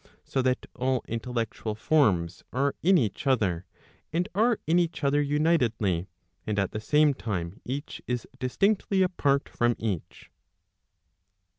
So that all intellectual forms are in each other, and are in each other unitedly, and at the same time each is distinctly apart from each.